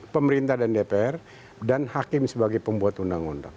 pemerintah dan dpr dan hakim sebagai pembuat undang undang